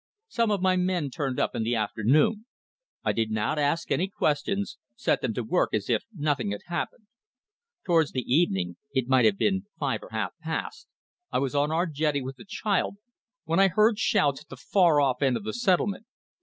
Some of my men turned up in the afternoon. I did not ask any questions; set them to work as if nothing had happened. Towards the evening it might have been five or half past I was on our jetty with the child when I heard shouts at the far off end of the settlement.